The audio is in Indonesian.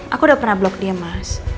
aku udah pernah blok dia mas